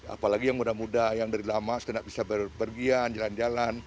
apalagi yang muda muda yang dari lama tidak bisa berpergian jalan jalan